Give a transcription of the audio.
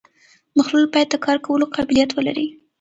مخلوط باید د کار کولو قابلیت ولري